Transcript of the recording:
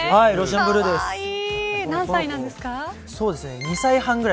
何歳なんですか。